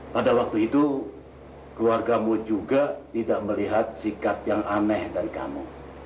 pada waktu itu keluargamu juga tidak melihat sikap yang aneh dari kamu